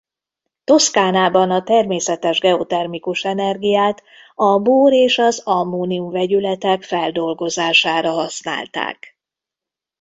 Toszkánában a természetes geotermikus energiát a bór és az ammónium vegyületek feldolgozására használták.